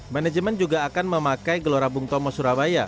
manajemen juga akan memakai gelora bung tomo surabaya